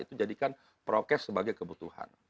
itu jadikan prokes sebagai kebutuhan